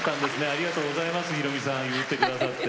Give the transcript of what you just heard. ありがとうございます宏美さん譲ってくださって。